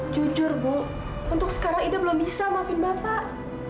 jujur bu untuk sekarang ida belum bisa maafin bapak